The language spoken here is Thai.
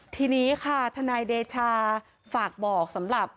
ทีนี้ค่ะทนายเดชาฝากบอกสำหรับ